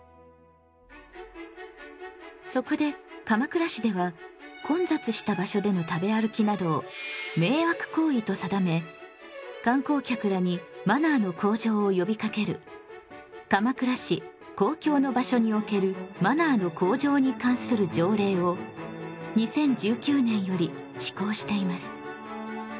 そこで鎌倉市では混雑した場所での食べ歩きなどを迷惑行為と定め観光客らにマナーの向上をよびかける「鎌倉市公共の場所におけるマナーの向上に関する条例」を２０１９年より施行しています。